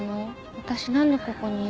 私何でここにいるの？